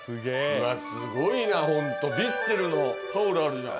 いやすごいなホントヴィッセルのタオルあるじゃん！